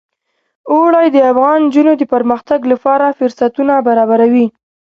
اوړي د افغان نجونو د پرمختګ لپاره فرصتونه برابروي.